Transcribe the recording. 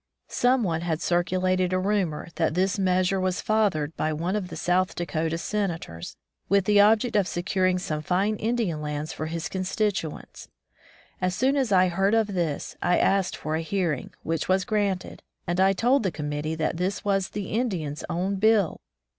Some one had circulated a rumor that this 158 At the NatiorCs Capital measure was fathered by one of the South Dakota senators, with the object of securing some fine Indian lands for his constituents. As soon as I heard of this, I asked for a hearing, which was granted, and I told the committee that this was the Indians' own bill.